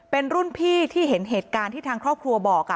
เป็นรุ่นพี่ที่เห็นเหตุการณ์ที่ทางครอบครัวบอก